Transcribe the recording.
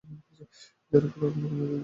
যার ওপর আমার কোনো নিয়ন্ত্রণ নেই।